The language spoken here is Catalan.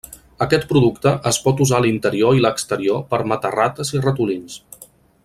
Aquest producte es pot usar a l'interior i l'exterior per a matar rates i ratolins.